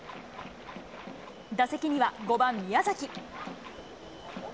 打席には５番宮崎。